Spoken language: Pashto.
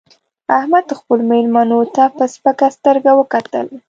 احمد خپلو مېلمنو ته په سپکه سترګه وکتل